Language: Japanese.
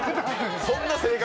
そんな性格